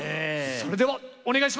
それではお願いします。